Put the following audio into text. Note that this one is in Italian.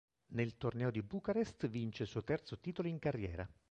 Nel torneo di Bucarest vince il suo terzo titolo in carriera.